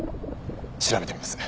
調べてみます。